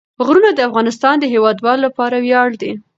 غرونه د افغانستان د هیوادوالو لپاره ویاړ دی.